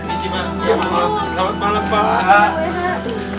ini sih markum selamat malem pak